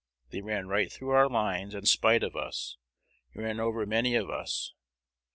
They ran right through our lines in spite of us, and ran over many of us.